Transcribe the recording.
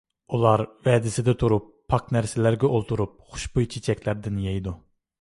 ئۇلار ۋەدىسىدە تۇرۇپ، پاك نەرسىلەرگە ئولتۇرۇپ، خۇشبۇي چېچەكلەردىن يەيدۇ.